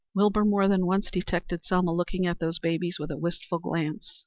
Wilbur more than once detected Selma looking at the babies with a wistful glance.